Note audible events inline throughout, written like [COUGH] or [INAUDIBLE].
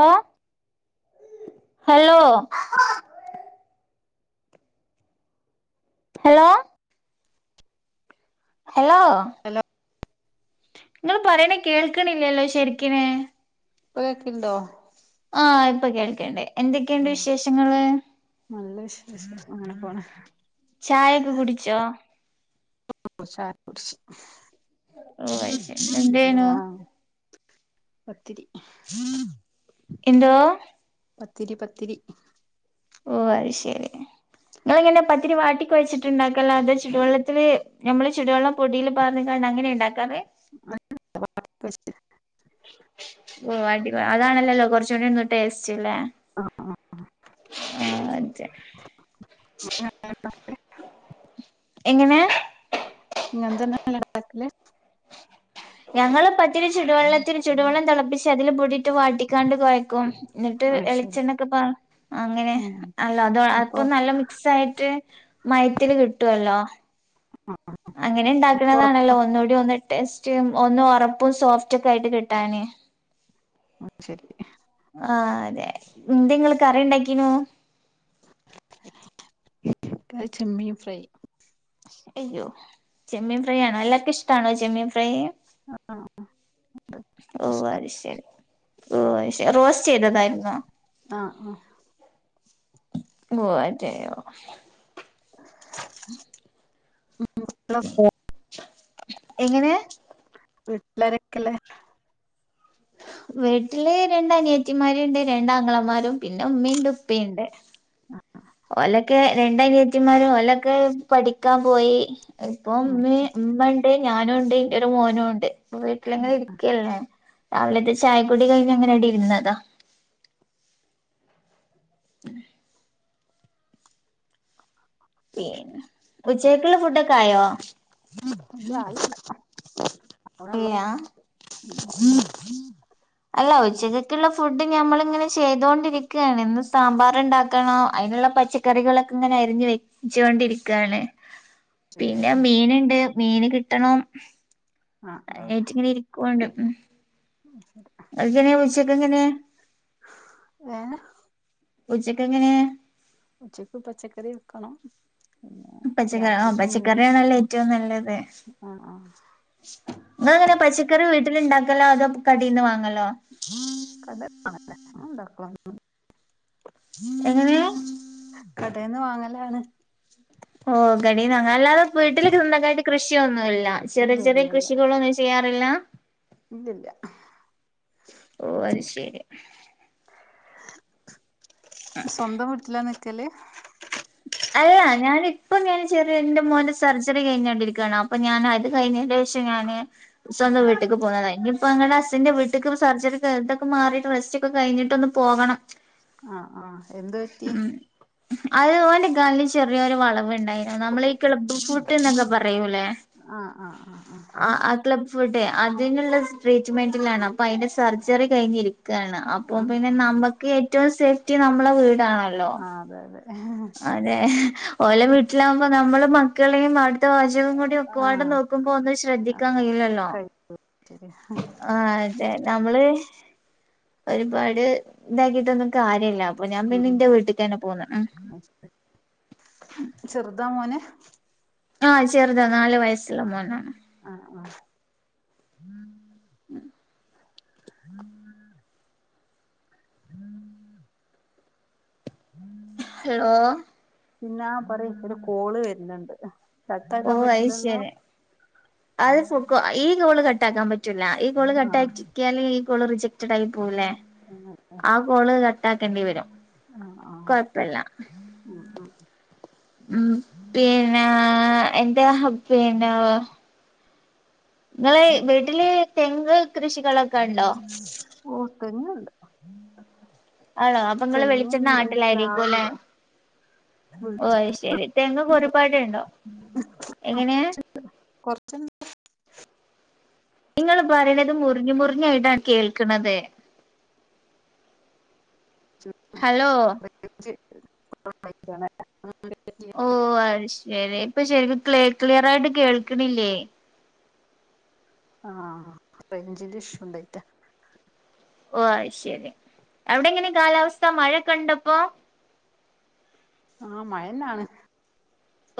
ഓ, hello? Hello? Hello, hello ങ്ങള് പറിയ്ണെ കേൾക്ക്ണില്ല്യല്ലോ ശെരിക്കിന്. പ്പൊ, കേക്കിണ്ടോ? ആഹ്, ഇപ്പൊ കേൾക്ക്ണ്ട്. എന്തൊക്കെണ്ട് ആഹ് വിശേഷങ്ങള്? നല്ല വിശേഷം, അങ്ങനെ പോണ്. ചായൊക്കെ കുടിച്ചോ? ഒഷാ [UNINTELLIGIBLE] ഷ് [UNINTELLIGIBLE] [UNINTELLIGIBLE] എന്തേനു ആ പത്തിരി. [UNINTELLIGIBLE] എന്തോ? പത്തിരി, പത്തിരി. ഓ അയ്ശെരി, ഏ ങ്ങള്ങ്ങന പത്തിരി വാട്ടി കൊയച്ചിട്ട് ണ്ടാക്കലാത് ചുടുവെള്ളത്തില് ഞമ്മള് ചുടുവെള്ളം പൊടിയില് പാർന്ന്കാണ്ടങ്ങനെയിണ്ടാക്കാറ്. [UNINTELLIGIBLE] ഓ, വാട്ടി കൊ അതാണല്ലല്ലോ കൊറച്ചൂടൊന്നു ടേസ്റ്റ് ല്ലേ? ആഹ്, ആഹ്, ആഹ്. ആ [UNINTELLIGIBLE] എങ്ങനെ? ഇങ്ങൻതന്നെ അല്ലെ ഇണ്ടാക്കല്? ഞങ്ങള് പത്തിരി ചുടുവെള്ളത്തില്, ചുടുവെള്ളം തെളപ്പിച്ച് അതില് പൊടിയിട്ട് വാട്ടിക്കാണ്ട് കൊഴക്കും. ന്നിട്ട് അയ് ശരി എളിച്ചെണ്ണൊക്കെ പാർ അങ്ങനെ ഉം അല്ല, അതോ അപ്പൊ അപ്പം നല്ല മിക്സായിട്ട് മയത്തില് കിട്ടുവല്ലോ? അങ്ങനെ അപ്പൊ ഇണ്ടാക്കണതാണല്ലോ ഒറപ്പാ ഒന്നൂടി ഒന്ന് ടേസ്റ്റും ഒന്ന് ഒറപ്പും സോഫ്റ്റ് ഒക്കെ ആയിട്ട് കിട്ടാന്. അഹ് ശെരി. ആഹ്, തെ ന്തെ ങ്ങള് കറി ണ്ടാക്കിനു? [UNINTELLIGIBLE] ചെമ്മീംഫ്രൈ. എയ്യോ, ചെമ്മീംഫ്രൈ യാണോ? എല്ലാർക്കുഷ്ട്ടാണോ ചെമ്മീംഫ്രൈയ്. ആഹ്, ആഹ് ഓഹ് ഇഷ്ടാ അയ്ശെരി, ഓഹ് അയ്ശെ റോസ്റ്റെ യ്തതായിരുന്നോ? ആഹ്, ആഹ് [UNINTELLIGIBLE] [UNINTELLIGIBLE] ഉം [UNINTELLIGIBLE] എങ്ങനേ? വീട്ട്ലാരൊക്കെള്ളെ? വീട്ടില്, രണ്ടനിയത്തിമാര്ണ്ട് രണ്ടാങ്ങളമാരും പിന്നമ്മിണ്ട്പ്പീണ്ട്. ഓലെക്കെ രണ്ടനിയത്തിമാരും ഓലൊക്കെ പഠിക്കാൻ പോയി. ഉം ഇപ്പോംമ്മീം മ്മണ്ട്, ഞാനുണ്ട്, ന്റൊരു മോനൂണ്ട്. പ്പം വീട്ടിലങ്ങനെരിക്ക്യല്ലേ, രാവിലത്തെ ചായകുടി കഴിഞ്ഞങ്ങനെടിര്ന്നതാ. [UNINTELLIGIBLE] പീന്നെ, ഉച്ചേക്ക്ള്ളഫുഡൊക്കായോ? ഇല്ലാ [UNINTELLIGIBLE] [UNINTELLIGIBLE] അല്ല, ഉച്ചക്കെക്ക്ള്ളഫുഡ് ഞമ്മളിങ്ങനെ ചെയ്തോണ്ടിരിക്കാണ്. ന്ന് സാമ്പാറ്ണ്ടാക്കണോ അയിന്ള്ള പച്ച കറികളൊക്കെങ്ങനരിഞ്ഞുവെ [UNINTELLIGIBLE] ച്ചൊണ്ടിരിക്കാണ് പിനെ മീന്ണ്ട് മീന്കിട്ടൊണം. അ ആഹ് മ [UNINTELLIGIBLE] ഉച്ചക്കെങ്ങനെ? ഏഹ് ഉച്ചക്കെങ്ങനേ? ഉച്ചക്ക് പച്ചക്കറിവെക്കണം. പച്ചക്കറി ഓം പച്ചക്കറിആണല്ലോ ഉം ഏറ്റവും ന്നല്ലത്. ആഹ് ആഹ് ഇങ്ങളെങ്ങനെ പച്ചക്കറി വീട്ടില്ണ്ടാക്കലാ അതോ പ് കടീന്ന് വാങ്ങലൊ? കടേന്ന് വാങ്ങലാ ഞാ ഇണ്ടാകലൊന്ന് എങ്ങനെയാ? കടേന്ന് വാങ്ങലാണ്. ഓഹ് കടീന്നുവാങ്ങാ അല്ലാതെ വീട്ടില് ത്ഇങ്ങക്കായിട്ട് കൃഷിയൊന്നുല്ല ചെറിയ ഇല്ല ചെറിയ ഇല്ല കൃഷികളുണ്ടൊയ്ച്ച ചെയ്യാറില്ലാ. ഇല്ലല്ലാ ഓ അത് ശെരി സ്വന്തം വീട്ട്ലാന്നിക്കല് അല്ല ഞാനിപ്പംഞാന് ചെറിയ ന്റെ മോന്റെ സർജറി കയ്ഞ്ഞോണ്ടിരിക്കാണ് അപ്പ ഞാ അത് കയ്ഞ്ട്ട് ക്ഷെ ഞാന് സ്വന്തം വീട്ട്ക്ക് പോന്നതായ് ഇനിപ്പൊഅങ്ങനസ്സിന്റെ വീട്ട്ക്ക് സർജറിത്ട്ടൊക്കെ മാറിട്ട് റസ്റ്റ് തൊക്കെകയ്ഞ്ഞിട്ടൊന്ന് പോകണം. ആ ആഹ് എന്ത് പറ്റി? അത് ഓന്റെ കാലില് ചെറിയൊരു വളവ്ണ്ടായിനു ന്നമ്മളി ക്ലിപ് ഫുട്ട് ന്നൊക്കെ പറയൂല്ലേ? ആഹ ആ ആ അഹ അ അത് ലക്ഫുഡേ അതിനുള്ളസ്ട്രീറ്റ്മെന്റിലാണ് അപ്പ അയ്ന്റെസ് സർജറി കയ്ഞ്ഞിരിക്കാണ് അപ്പോം ആഹ് ആഹ് ആഹ് പിന്നെ ആഹ് ന്നമ്മക്ക് ഏറ്റവും സേഫ്റ്റി ന്നമ്മളെ വീടാണല്ലോ? ആഹ് അതെ അതെ ഇഹ് ഹ് ആനേ ഹ് ഓലെ വീട്ട്ലാവുമ്പോ ന്നമ്മള്മ ക്കളേം അടുത്ത വശകും കൂടി ഒക്കപാടെ ആഹ് നോക്കുമ്പോ ഒന്നും ശ്രദ്ധിക്കാൻ കയ്യുലല്ലോ? കഴി ശരി ഹ ആഹ് അതെ നമ്ള് ഒരുപാട് ഇതാക്കിട്ടൊന്നും കാര്യല്ല. അപ്പൊ ഞാൻ പിന്നെന്റെ വീട്ട്ക്കെനെ പോന്ന് ഇമ്. ച്ചെറുതാ മോന്. ആഹ് ചെറുതാ ന്നാല് വയസ്സുള്ള മോനാണ്. ആഹ് വാ മ് [UNINTELLIGIBLE] ഹലോ. പിന്നാം പറയും ഒരു കോള് വര്ന്ന്ണ്ട്. ഓ കട്ടാക്കാൻ അയ് പറ്റൂലല്ലോ? ശരി അത് ഫുക്കോ ഈ ഗോള് കട്ടാക്കാൻ പറ്റുല്ല ഈ ഗോള് ആഹ് കട്ടക്ക്യാല് ഈ ഗോള് റിജക്ട്- ച്ചടായിപൂനെ അങ്ങനല്ലേ ആ കോള് കട്ടാക്കണ്ടി വരും കൊഴപ്പല്ല. മ് മ് മ് പിനേ എന്തെ ഹബ് പിനൊ? ഇങ്ങളെയ് വീട്ടില് തെങ്ക് കൃഷികളൊക്ക്ണ്ടോ? ഓ തെങ്ങ്ണ്ട് ആണോ അപ്പഇങ്ങള് വെളിച്ചെണ്ണ ആട്ടലായിരിക്കും ലെ? പ്ലാവുണ്ട് വീട് ഓ ഐശെരി തെങ്ങക്കൊരുപാട്ണ്ടോ എങ്ങനെയാ? കൊർച്ചണ് ഇങ്ങള് പറയണത് മുറിഞ്ഞ് മുറിഞ്ഞായിട്ടാണ് കേൾക്കണത്. [INAUDIBLE] ഹലോ [UNINTELLIGIBLE] ഓ അത് ശരി ഇപ്പൊ ശരിക്കും ക്ലിയർ ആയിട്ട് കേൾക്കണില്ലേ? ആഹ റൈഞ്ചിന്റെ ഇഷ്യൂ ണ്ടായിട്ട. ഓഹ ശരി എവിടെ എങ്ങനെ കാലാവസ്ഥ മഴ കണ്ടപ്പോ? ആഹ് മഴന്നാണ്.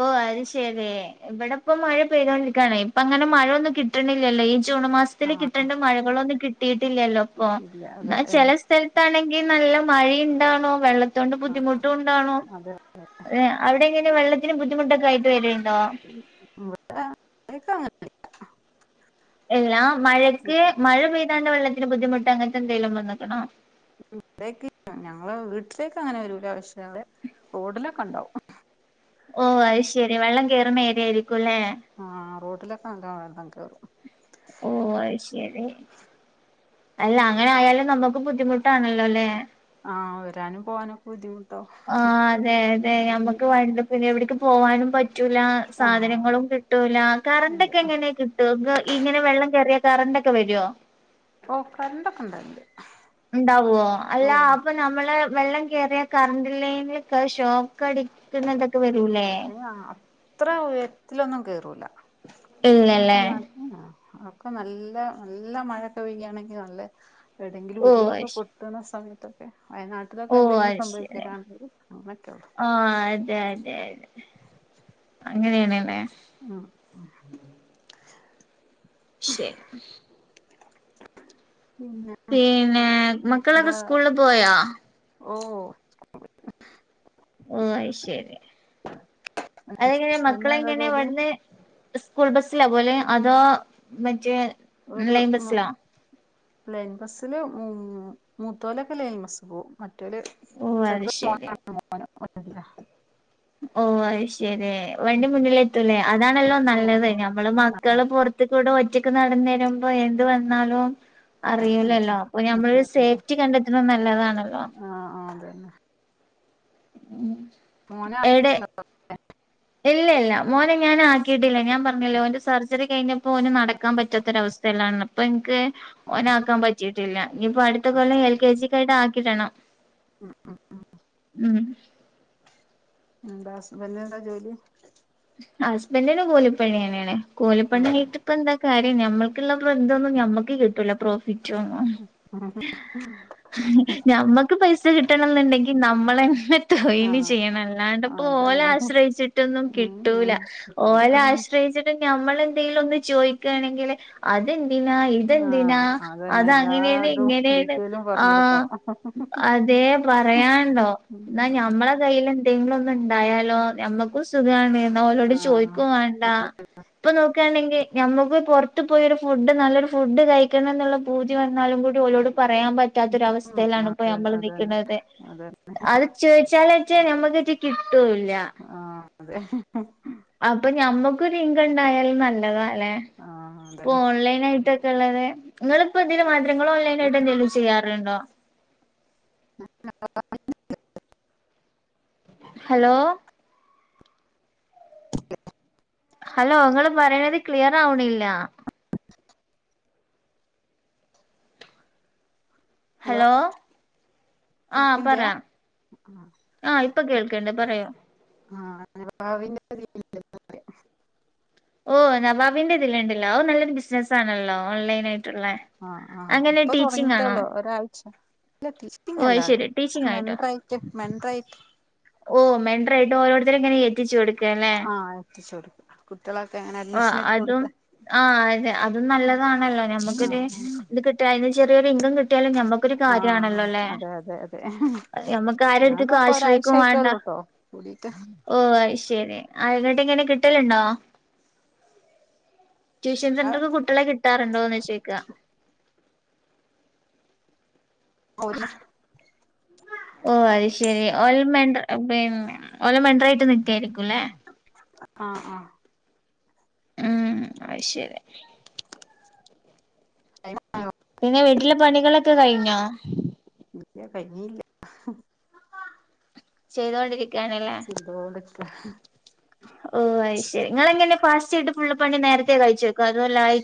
ഓ അത് ശരി ഇവിടെപ്പ മഴ പെയ്തുകൊണ്ടിരിക്കാണ് ഇപ്പ അങ്ങനെ മഴയൊന്നും കിട്ടണില്ലല്ലോ ഈ- ജൂണ് മാസത്തില്ൽ ആഹ് കിട്ടേണ്ട മഴകളൊന്നും കിട്ടിയിട്ടില്ലല്ലോ അപ്പൊ കിട്ടിയില്ല അതെ എന്നാൽ ചില- സ്ഥലത്താണെങ്കിൽ നല്ല മഴയ ഉണ്ടാണോ വെള്ളത്തോണ്ട് ബുദ്ധിമുട്ട് ഉണ്ടാണോ. അതെ ഏ അവിടെ എങ്കിലും വെള്ളത്തിന് ബുദ്ധിമുട്ടൊക്കെ ആയിട്ട് വരുണ്ടോ? [UNINTELLIGIBLE] എല്ലാ മഴക്ക് ഇവിടേക്ക് മഴ പെയ്താണ്ട് വെള്ളത്തിന് ബുദ്ധിമുട്ട് അങ്ങനത്തെ എന്തെങ്കലും വന്നക്കണോ? ഇവിടേക്ക് ഞങ്ങള് വീട്ടിലേക്ക് അങ്ങനെ വരൂല പക്ഷ റോഡിലൊക്കെ ണ്ടാവും. ഓ അത് ശെരി വെള്ളം കയറുന്ന ഏരിയായിരിക്കും ല്ലേ. ആ് റോട്ടിലൊക്കെനല്ല വെള്ളം കേറും. ഓ അത് ശരി. അല്ല അങ്ങനെ ആയാലും നമ്മുക്ക് ബുദ്ധിമുട്ടാണല്ലോ ല്ലേ? ആഹ് വരാനും പോവാനും. ബുദ്ധിമുട്ടാവും ആ അതെ അതെ ഉം ഞമ്മക്ക് വണ്ടി. പിന്നെ എവിടക്ക് പോവാനും പറ്റൂല ആഹ് സാധനങ്ങളും കിട്ടൂല കറണ്ട് അതെ ഒക്കെ എങ്ങനെയി? ഇങ്ങനെ വെള്ളം കയറിയ കറണ്ട് ഒക്കെ വരുവോ? ഓ കറണ്ടൊക്കെ ണ്ടായിണ്ട്. ഉണ്ടാവോ അല്ല അപ്പൊ നമ്മള് വെള്ളം കേയറിയ കറണ്ടല്ലെങ്കിൽ കാശം. കടിക്കുന്നതൊക്കെ വരൂലേ? ആ അത്ര ഉയത്തിലൊന്നും കേറൂല ക്കാ- ഇല്ലല്ലേ ആ അതൊക്കെ നല്ല നല്ല മഴൊക്കെ പെയ്യയാണെങ്കിൽ നല്ല- എവിടെയെങ്കിലും ഓ ഉരുളൊക്കെ അത് ശരി പൊട്ടുന്ന സമയത്തൊക്കെ വയനാട്ട- അൊക്കെ ഓ എന്തെങ്കിലും സംഭവിക്കക്കണങ്കിൽ അങ്ങനൊക്കെ ഉള്ളൂ. ആ അതെ അതെ അതെ. അ അങ്ങനേണ്ല്ലേ അഹ് ശരി [UNINTELLIGIBLE] പിന്നെ മക്കളൊക്കെ എന്താ സ്കൂൾല് പോയോ ഓ ഓ അയ്ശരി അതെങ്ങനെ ഹസ്ബൻഡിന് എന്താ മക്കളങ്ങനെ ജോലി ഇവ്ട്ന്ന് സ്കൂൾ ബസ്സിലാ പോവല് അതോ മറ്റേ ഒരു ലൈൻ മം ബസ്സിലോ ലൈൻ ബസില് മ് മൂത്തോലൊക്കെ ലൈൻ ബസ്സ് പോകും മറ്റോല് ഓ അത് ചെർത് ശരി [UNINTELLIGIBLE] ഓ അയ്ശരി വണ്ടി മുന്നിൽ എത്തൂല്ലേ അതാണല്ലോ ഓ നല്ലത് ഞമ്മള് മക്കള് പോ ഇത്പ്പൊബടെ ഒറ്റക്ക് നടന്ന തരുമ്പോ യെന്ത് വന്നാലും അറയില്ലല്ലോ ഇപ്പൊ ഞമ്മൾ സേഫ്റ്റി കണ്ടെത്തണ നല്ലതാണല്ലോ അതെ അതെ ആഹ് ആഹ് അതന്നെ ഉം മോന ആ [UNINTELLIGIBLE] ഇല്ല ഇല്ല മോനെ ഞാൻാക്കിയിട്ടില്ല ഞാൻ പറഞ്ഞില്ലോ ഓന്റെ സർജറി കഴിഞ്ഞപ്പോ ഓന് നടക്കാൻ പറ്റാത്തൊരവസ്ഥ [UNINTELLIGIBLE] അപ്പൊ എനിക്ക് ഓനാക്കാം പറ്റീട്ടില്ല. ഞ്ഞിപ്പം അട്ത്ത കൊല്ലം എൽ. കെ ജിക്കായിട്ട് ആക്കിടണം. ഉംഉം ഉം എന്താ ഹസ്ബൻ്റിനെന്താ ജോലി? ഹസ്ബൻ്റിന് കൂലിപ്പണിയെന്നേണ്. ആഹ് കൂലിപ്പണിയേറ്റ് ഇപ്പൊ എന്താ കാര്യം ഞമ്മൾക്ക്ള്ള ബന്തൊന്നും ഞമ്മക്ക് കിട്ടൂല പ്രോഫിറ്റോന്നും ആഹ് ഞമ്മക്ക് പൈസ കിട്ടണന്ന്ണ്ടെങ്കി നമ്മളെന്നെ തൊയ്ല് ചെയ്യണം അല്ലാണ്ട് ആഹ് പ്പോ ഓല അതന്നെ ആശ്രയിച്ചിട്ടൊന്നും ഉം കിട്ടൂല ഉം കിട്ടൂല ഓല ആഹ് ആശ്രയിച്ചിട്ട ത് ഞമ്മളെന്തെങ്കിലും ഒന്ന് ചോയ്ക്കാണെങ്കില് അതെന്തിനാ ഇതെന്തിനാ അതന്നെ അതങ്ങനേണ് എല്ലാതും ഇങ്ങനേണ് ഡീറ്റെയിലും ആ പറഞ്ഞൊടുക്കണം അതേ പറയാണ്ടോ ന്നാ ഞമ്മ കൈയ്ല് എന്തെങ്കിലെന്ന് ണ്ടായാലോ നമ്മക്കും സുഖാണ് ന്ന ഓരോട് ആഹ് ചോയ്ക്കു വേണ്ട ഇപ്പൊ നോക്കാണെങ്കി ഞമ്മക്ക് പുറത്ത് പോയൊര് ഫുഡ് നല്ലൊരു ഫുഡ് കയിക്കണന്ന്ള്ള പൂതി വന്നാലും കൂടി ഓലോട് പറയാൻ പറ്റ ഉം പറ്റാത്തൊരവസ്ഥയിലാണ് ഇപ്പോ അതന്നെ ഞമ്മൾ അതന്നെ നിക്കണത് അതെ അത് ചോദിച്ചാലേറ്റേ നമക്കിറ്റ കിട്ടൂല്ല ആഹ്. അതെ അപ്പൊ ഞമ്മക്കൊരിൻകം ഉണ്ടായാലും നല്ലതാല്ലെ ആഹ് ഇപ്പൊ അതന്നെ ഓൺലൈനായിട്ട് ള്ളത് ങ്ങളപ്പോ ഇതില്മാത്ര ങ്ങള് ഓൺലൈനായിട്ട് എന്തെങ്കലും ചീയ്യാറ്ണ്ടോ [INAUDIBLE] ഹലോ ഹലോ ങ്ങള് പറയണത് ക്ലിയറാ വ്ണില്ലാ. ഹലോ ആ പറ ആഹ്. ആഹ് ഇപ്പ കേൾക്ക്ണ്ട് പറയോ ആഹ അനെ പാവിന്റെ പ [UNINTELLIGIBLE] ഓ നവാബിന്റെ ഇതില്ലിണ്ടല്ലോ ഓ നല്ലൊരു ബിസ്നസ്സാണല്ലോ ഓൺലൈൻയിട്ട് ആഹ് ആഹ് ഇപ്പൊ ആണോ തുടങ്ങിട്ട്ള്ളൂ ഒരാഴ്ച ഓ അത് പിന്നെല്ലാ ശരി ടീച്ചിങ് [UNINTELLIGIBLE] ആയിട്ടോ മെൻ്ററായിറ്റ്, മെൻ്ററായിറ്റ് ഓ മെൻ്ററായിട്ട് ഓരോരുത്തും ഇങ്ങനെ കേ ആഹ് എത്തിച് യൊടുക്കും. കുട്ടിളൊക്കെ എങ്ങനെ? ആ അതും ആ അതെ അതും നല്ലതാണല്ലോ ആഹ് ത് കിട്ട അയിന് ചെറിയരുഇങ്കം ഞമ്മക്കൊരു കാര്യാ ആഹ് ണല്ലോല്ലെ അതെ അതെ അതെ ഞമ്മക് ആരാട്ത്ക്കും ഞാൻതാപ്പൊ ഒരാഴ്ച ആശ്രയിക്കും വാണ്ട ആയിട്ടേള്ളൂട്ടോ കൂടിട്ട് ഓ ഐ ശരി ങ്ങനെ കിട്ടല്ണ്ടോ ട്യഷൻ ആഹ് സെന്റർ കുട്ടിളെ കിട്ടാറുണ്ടോന്ന് ചോയിക്കാ [UNINTELLIGIBLE] ഓ അഹ് ശരി ഒല് മെൻ്ര പിന്ന ഓല് മെന്റർ യി ആ ആഹ് ഉം അയി ശരി [INAUDIBLE] പിന്നെ വീട്ടിലെ പണികളൊക്കെ കഴിഞ്ഞോ ഇല്ല കഴിഞ്ഞീല്ല ചെയ്തൊണ്ടിരിക്കാനല്ലേ [INAUDIBLE] ഓഹ അയി ശരി ങ്ങളെങ്ങനെയെ ഫാസ്റ്റ് ആായിട്ട് ഫുള്ള്പ്പണി നേരത്തെ കഴിച്ചക്കോ അതല്ല ഐ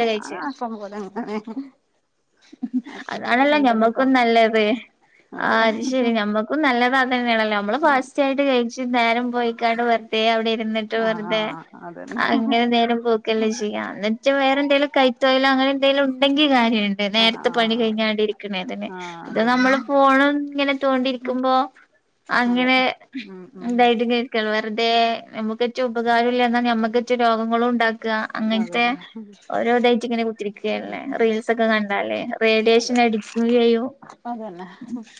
ഞാന ആക്കം പോലെങ്ങെനെ അതാണല്ലോ ഞമ്മുക്കും ആവും നല്ലത് ആഹ് അത് ശെരി നമ്മക്കും നല്ലത് തന്നേണല്ലോ നമ്മള്ഫാസ് [UNINTELLIGIBLE] നേരം പോയിക്കാണ്ട് വെറുതെ അവിടെ ഇരുന്ന് ആഹ്, ആഹ്, ആഹ്. അങ്ങനെ നേരം പോക്കല്ലേ ചെയ്യാ. ന്നിട്ട് വേറെ എന്തെലും കൈതൊഴിലോ, അങ്ങനെ എന്തേലും ഉണ്ടെങ്കി കാര്യന്. ആഹ് നേരത്തെ പണി ആഹ് കഴിഞ്ഞാണ്ടിരിക്കണതന്നെ. ആഹ് ഇത് അതന്നെ നമ്മള് ഫോണ് ഇങ്ങനെ തോണ്ടിരിക്കുമ്പോ അതെ അങ്ങനെ [UNINTELLIGIBLE] ഉം ഉം ണ്ടായിട്ട് [UNINTELLIGIBLE] വെറുതെ, നമുക്കെറ്റ ഉപകാരുല്ല, എന്നാ നമ്മക്കെറ്റെ രോഗങ്ങളു ഉണ്ടാ ക്ക, അങ്ങൻത്തെ അതന്നെ ഓരോ ഇതയിറ്റ് ഇങ്ങനെ കുത്തിരിക്കാണ്. റീൽസ് ഒക്കെ കണ്ട് അല്ലേ? റേഡിയേഷൻ അതെ അടികും ചെയ്യും. അതന്നെ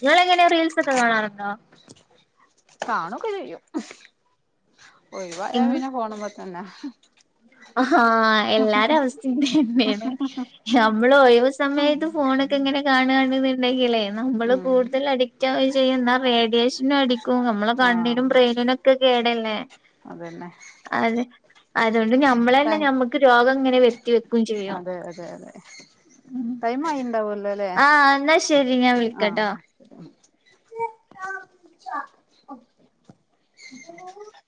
ഇങ്ങളെങ്ങനെ റീൽസ് ഒക്കെ കാണാറുണ്ടോ? കാണൊക്കെ ചെയ്യും. ഒഴിവായ പിന്നെ ഫോൺമെ തന്നെ. ആഹ് എല്ലാരെ അവസ്തിം ഇതന്നെണ്. നമ്മൾ ഒഴിവ് സമയത്ത് ഫോണൊക്കെ ഇങ്ങനെ കാണാണ്ന്ന്ണ്ടങ്കിലെ, നമ്മള് ഉം കൂടുതൽ അടിക് റ് [UNINTELLIGIBLE] ചെയ്യുന്ന റേഡിയേഷനു അടി കും. നമ്മള കണ്ണിനും ആഹ് ബ്രെയ്‌നിനൊക്കെ കേടല്ലേ! അതന്നെ അത് അതോണ്ട് ഞമ്മളന്നെ ടൈം ഞമ്മക്ക് രോഗം ഇങ്ങനെ വരുത്തി വെക്കും ചെയ്യും. അതെ അതെ അതെ ടൈം [UNINTELLIGIBLE] ആയിണ്ടാവല്ലോ ല്ലേ ആഹ് ന്നാ ശരി ഞാൻ വിളിക്കട്ടോ. [INAUDIBLE] [INAUDIBLE]